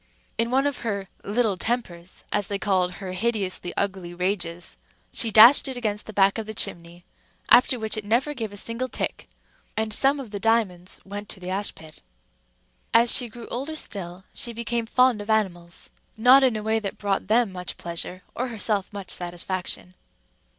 In one of her little tempers, as they called her hideously ugly rages, she dashed it against the back of the chimney, after which it never gave a single tick; and some of the diamonds went to the ash pit. As she grew older still, she became fond of animals, not in a way that brought them much pleasure, or herself much satisfaction.